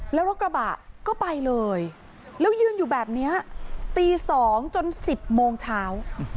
แล้วรถกระบะก็ไปเลยแล้วยืนอยู่แบบนี้ตี๒จน๑๐โมงเช้า